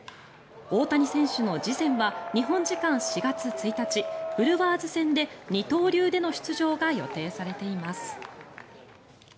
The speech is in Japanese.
大谷選手の次戦は日本時間４月１日ブルワーズ戦で二刀流での出場が予定されています。